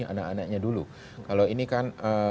anak anaknya dulu kalau ini kan